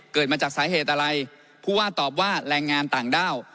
เกิดมาจากสาเหตุอะไรผู้ว่าตอบว่าแรงงานต่างด้าว